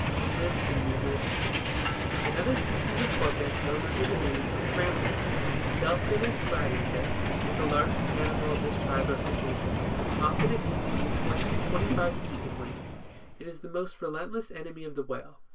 It lives in numerous troops. 40. Another species of Porpoise known under the name of Grampus, Defpkimu Gladiator, is the largest animal of this tribe of Cetacea, often attaining from twenty to twenty five feet in length. It is the most relentless enemy of the whale.